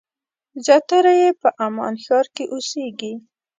زیاتره یې په عمان ښار کې اوسېږي.